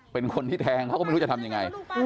เป็นคนที่แทงเขาก็ไม่รู้จะทำยังไง